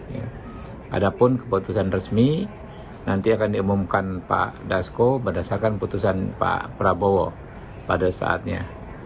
ada pun keputusan resmi nanti akan diumumkan pak dasko berdasarkan putusan pak prabowo pada saatnya